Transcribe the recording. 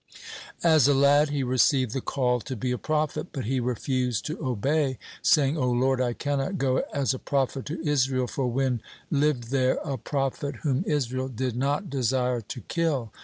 As a lad he received the call to be a prophet. But he refused to obey, saying: "O Lord, I cannot go as a prophet to Israel, for when lived there a prophet whom Israel did not desire to kill?